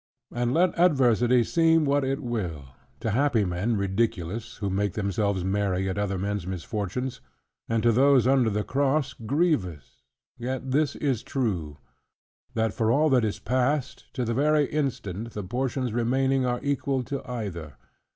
And let adversity seem what it will; to happy men ridiculous, who make themselves merry at other men's misfortunes; and to those under the cross, grievous: yet this is true, that for all that is past, to the very instant, the portions remaining are equal to either.